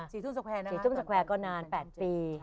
สี่ทุ่มสแควร์ก็นาน๘ปี